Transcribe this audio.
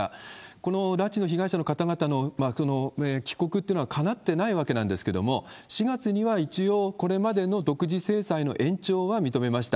この拉致の被害者の方々の帰国っていうのはかなってないわけなんですけれども、４月には一応、これまでの独自制裁の延長は認めました。